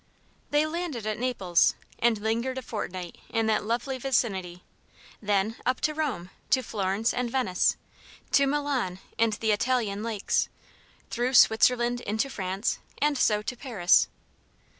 They landed at Naples, and lingered a fortnight in that lovely vicinity; then, up to Rome, to Florence and Venice, to Milan and the Italian Lakes, through Switzerland into France, and so to Paris.